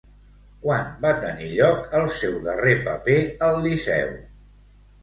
Quan va tenir lloc el seu darrer paper al Liceu?